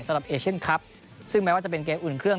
เอเชียนคลับซึ่งแม้ว่าจะเป็นเกมอุ่นเครื่อง